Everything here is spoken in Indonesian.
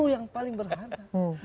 guru yang paling berharga